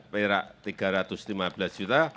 perak tiga ratus lima belas juta